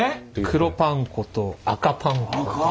黒パン粉と赤パン粉です。